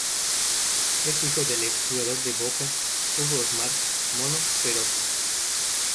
Es hijo del ex jugador de Boca, Hugo Osmar "Mono" Perotti.